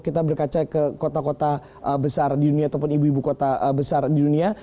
kita berkaca ke kota kota besar di dunia ataupun ibu ibu kota besar di dunia